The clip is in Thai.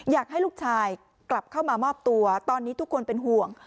อยากให้ลูกชายกลับเข้ามามอบตัวตอนนี้ทุกคนเป็นห่วง